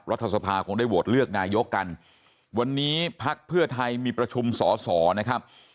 รัฐสภาคงได้โหวตเลือกนายกกันวันนี้พักเพื่อไทยมีประชุมสอสอนะครับ